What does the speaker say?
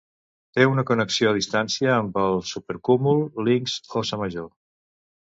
Té una connexió a distància amb el supercúmul Linx-Óssa Major.